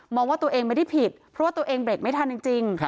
ว่าตัวเองไม่ได้ผิดเพราะว่าตัวเองเบรกไม่ทันจริง